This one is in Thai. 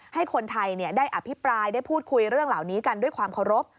ให้คนไทยได้อภิปรายได้พูดคุยเรื่องเหล่านี้กันด้วยความเคารพ